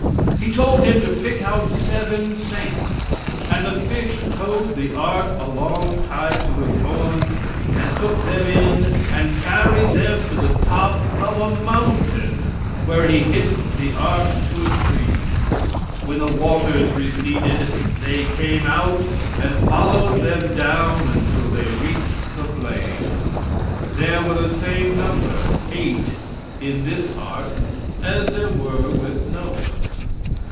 He told him to pick out seven saints. And the fish towed the ark along tied to its horns, and took them in and carried them to the top of a mountain, where he hitched the ark to a tree. When the waters receded, they came out and followed them down until they reached the plain. There were the same number eight in this ark as there were with Noah.